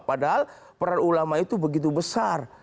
padahal peran ulama itu begitu besar